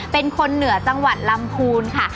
เป็นคนเหนือจังหวัดลำพูนค่ะ